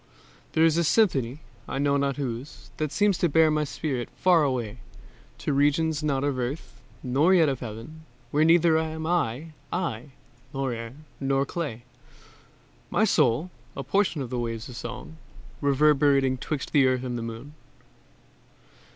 There is a symphony, I know not whose, That seems to bear my spirit far away, To regions not of Earth nor yet of Heaven, Where neither am I I, nor air, nor clay, My soul, a portion of the waves of song, Reverberating 'twixt the earth and moon.